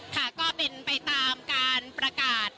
ค่ะก็เป็นไปตามการประกาศ